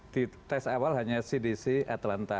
di tes awal hanya cdc atlanta